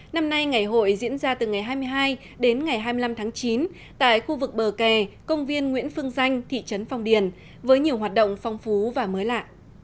năm nay ngày hội diễn ra từ ngày hai mươi hai đến ngày hai mươi năm tháng chín tại khu vực bờ kè công viên nguyễn phương danh thị trấn phong điền với nhiều hoạt động phong phú và mới lạ